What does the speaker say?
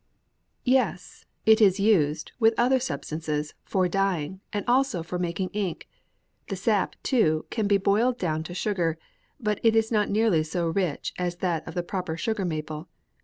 "Yes, it is used, with other substances, for dyeing, and also for making ink. The sap, too, can be boiled down to sugar, but it is not nearly so rich as that of the proper sugar maple.